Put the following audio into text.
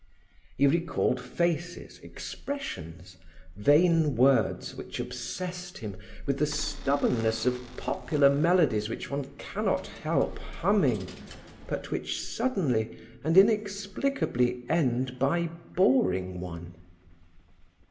He recalled faces, expressions, vain words which obsessed him with the stubbornness of popular melodies which one cannot help humming, but which suddenly and inexplicably end by boring one.